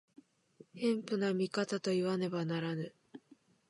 偏頗な見方といわねばならぬ。